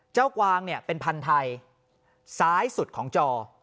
เจ้ากวางเป็นพันธุ์ไทยซ้ายสุดของจอ